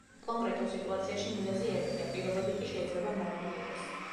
კონკრეტულ სიტუაციაში მიზეზი ერთია, პირობები კი შეიძლება მრავალი იყოს.